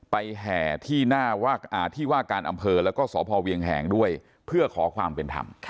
ไปแห่ที่ว่าการอำเภอและสพเวียงแห่งด้วยเพื่อขอความเป็นธรรม